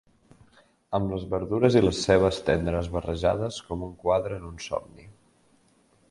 Amb les verdures i les cebes tendres barrejades com un quadre en un somni.